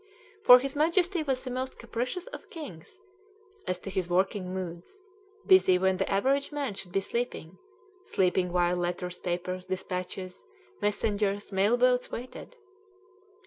For his Majesty was the most capricious of kings as to his working moods, busy when the average man should be sleeping, sleeping while letters, papers, despatches, messengers, mail boats waited.